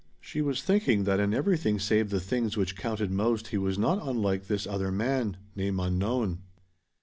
She was thinking that in everything save the things which counted most he was not unlike this other man name unknown.